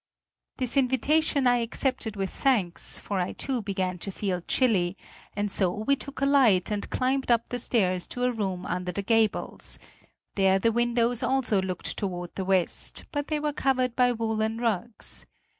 This invitation I accepted with thanks, for I too began to feel chilly, and so we took a light and climbed up the stairs to a room under the gables; there the windows also looked toward the west, but they were covered by woollen rugs.